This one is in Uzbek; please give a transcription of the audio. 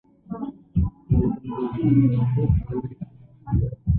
Qalbingizni his qiling-chi